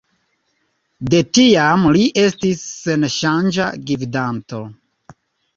De tiam li estis senŝanĝa gvidanto.